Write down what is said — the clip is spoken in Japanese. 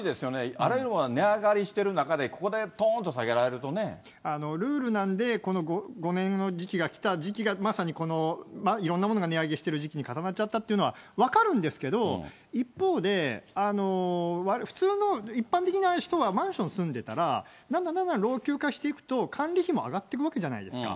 あらゆるものが値上がりしてる中で、ルールなんで、この５年の時期がきた、時期がまさにいろんなものが値上げしてる時期に重なっちゃったっていうのは、分かるんですけれども、一方で、普通の一般的な人はマンション住んでたら、だんだんだんだん老朽化していくと、管理費も上がっていくわけじゃないですか。